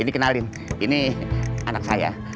ini kenalin ini anak saya